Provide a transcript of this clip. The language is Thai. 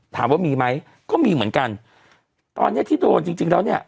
ถามว่ามีไหมก็มีเหมือนกันตอนเนี้ยที่โดนจริงจริงแล้วเนี่ย